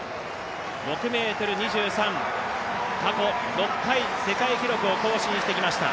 ６ｍ２３、過去６回、世界記録を更新してきました。